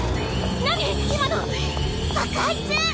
何⁉今の！爆発！